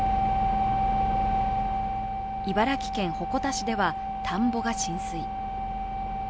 茨城県鉾田市では田んぼが浸水。